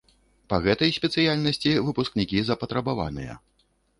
Па гэтай спецыяльнасці выпускнікі запатрабаваныя.